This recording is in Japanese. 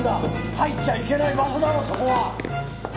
入っちゃいけない場所だろそこは！